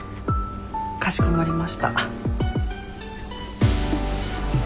かしこまりました。